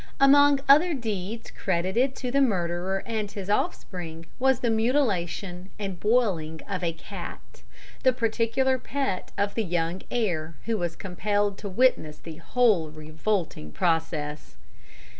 Among other deeds credited to the murderer and his offspring was the mutilation and boiling of a cat the particular pet of the young heir, who was compelled to witness the whole revolting process.